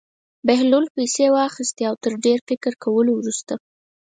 بهلول پېسې واخیستې او تر ډېر فکر کولو وروسته.